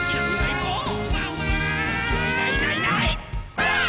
ばあっ！